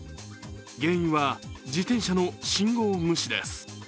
原因は自転車の信号無視です。